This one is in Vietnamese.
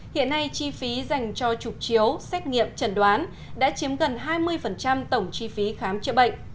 hiện nay chi phí dành cho trục chiếu xét nghiệm trần đoán đã chiếm gần hai mươi tổng chi phí khám chữa bệnh